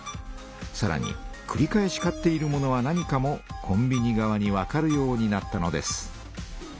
さらにくり返し買っているものは何かもコンビニ側にわかるようになったのです。